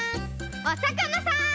おさかなさん！